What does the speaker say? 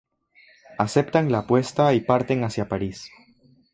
Aceptan la apuesta y parten hacia París.